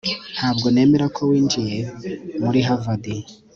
ntabwo nemera ko winjiye muri harvard